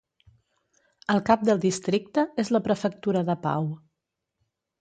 El cap del districte és la prefectura de Pau.